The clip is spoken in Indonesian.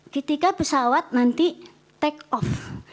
ketika pesawat nanti take off